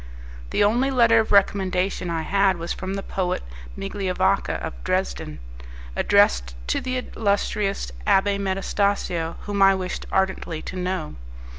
The only letter of recommendation I had was from the poet Migliavacca, of Dresden, addressed to the illustrious Abbé Metastasio, whom I wished ardently to know.